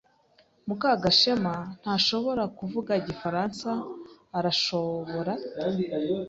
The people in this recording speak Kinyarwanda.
Mukagashema ntashobora kuvuga igifaransa, arashobora?